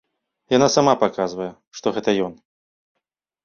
Яна сама паказвае, што гэта ён.